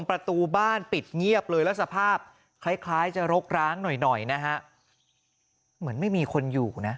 ประตูบ้านปิดเงียบเลยแล้วสภาพคล้ายคล้ายจะรกร้างหน่อยหน่อยนะฮะเหมือนไม่มีคนอยู่นะ